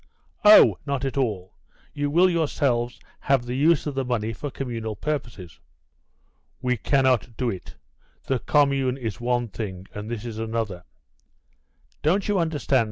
"Oh, not at all. You will yourselves have the use of the money for communal purposes." "We cannot do it; the commune is one thing, and this is another." "Don't you understand?"